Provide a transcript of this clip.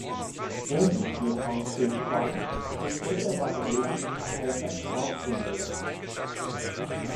Ähnlich wie Hong Xiuquan bestritt er seinen Lebensunterhalt als Dorfschullehrer.